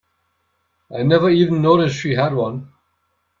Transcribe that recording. I never even noticed she had one.